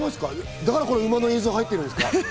だから今、馬の映像が入ってたんですか？